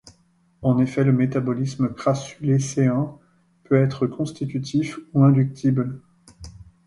En effet, le métabolisme crassulacéen peut être constitutif ou inductible.